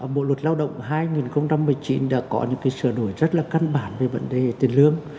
bộ luật lao động hai nghìn một mươi chín đã có những sửa đổi rất là căn bản về vấn đề tiền lương